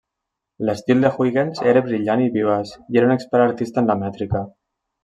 L'estil de Huygens era brillant i vivaç i era un expert artista en la mètrica.